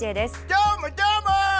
どーも、どーも！